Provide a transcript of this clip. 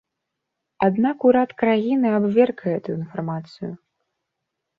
Аднак урад краіны абверг гэтую інфармацыю.